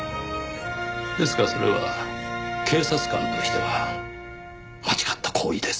ですがそれは警察官としては間違った行為です。